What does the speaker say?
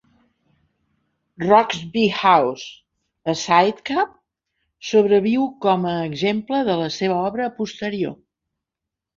Roxby House, a Sidcup, sobreviu com a exemple de la seva obra posterior.